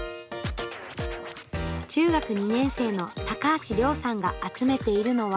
中学２年生の高橋諒さんが集めているのは。